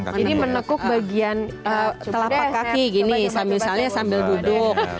jadi menekuk bagian telapak kaki gini misalnya sambil duduk